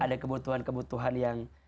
ada kebutuhan kebutuhan yang